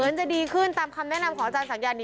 เหมือนจะดีขึ้นตามคำแนะนำของอาจารย์สังเย็น